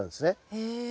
へえ。